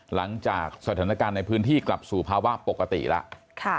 หลังจากสถานการณ์ในพื้นที่กลับสู่ภาวะปกติแล้ว